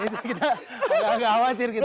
jadi kita nggak khawatir gitu